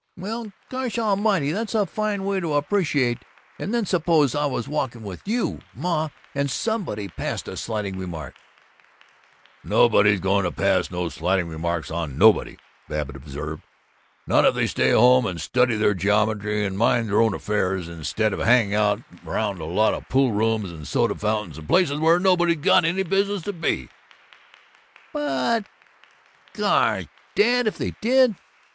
"Well, gosh almighty, that's a fine way to appreciate And then suppose I was walking with you, Ma, and somebody passed a slighting remark " "Nobody's going to pass no slighting remarks on nobody," Babbitt observed, "not if they stay home and study their geometry and mind their own affairs instead of hanging around a lot of poolrooms and soda fountains and places where nobody's got any business to be!" "But gooooooosh, Dad, if they DID!"